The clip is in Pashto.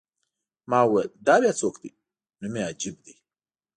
ما وویل: دا بیا څوک دی؟ نوم یې عجیب دی.